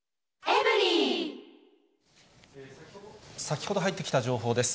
先ほど入ってきた情報です。